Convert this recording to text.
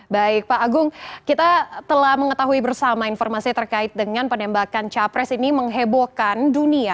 baik pak agung kita telah mengetahui bersama informasi terkait dengan penembakan capres ini menghebohkan dunia